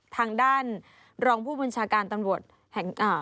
ทางด้านรองผู้บัญชาการตำรวจ